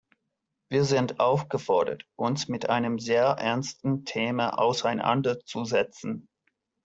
Wir sind aufgefordert, uns mit einem sehr ernsten Thema auseinanderzusetzen.